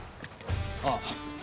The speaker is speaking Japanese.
ああ。